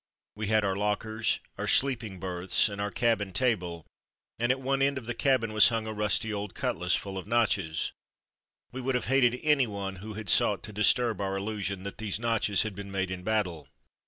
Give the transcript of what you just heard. We had our lockers, our sleeping berths, and our cabin table, and at one end of the cabin was hung a rusty old cutlass full of notches ; we would have hated any one who had sought to disturb our illusion that these notches had been made in battle.